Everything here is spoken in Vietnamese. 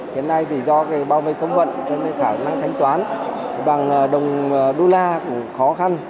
hiện nay thì do bao vây công vận cho nên khả năng thanh toán bằng đồng đô la cũng khó khăn